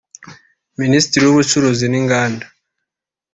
Mnisitiri w’Ubucuruzi n’Inganda